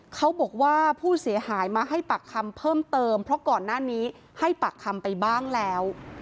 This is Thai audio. เขาบอกว่าผู้เสียหายมาให้ปากคำเพิ่มเติมเพราะก่อนหน้านี้ให้ปากคำไปบ้างแล้ว